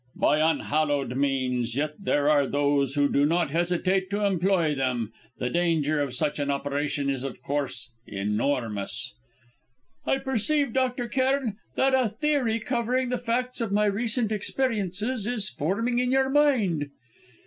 "By unhallowed means; yet there are those who do not hesitate to employ them. The danger of such an operation is, of course, enormous." "I perceive, Dr. Cairn, that a theory, covering the facts of my recent experiences, is forming in your mind."